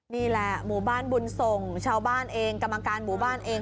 นี่แหละหมู่บ้านบุญส่งชาวบ้านเองกรรมการหมู่บ้านเอง